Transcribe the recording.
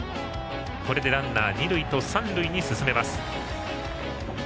これでランナー二塁と三塁に進めます。